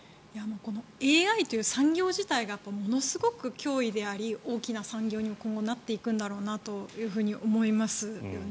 このＡＩという産業自体がものすごく脅威であり大きな産業に今後なっていくんだろうなと思いますよね。